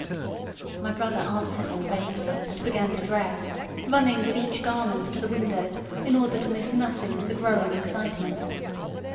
My brother answered him vaguely and began to dress, running with each garment to the window in order to miss nothing of the growing excitement.